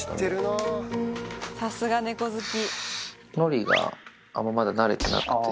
のりがあんままだなれてなくて。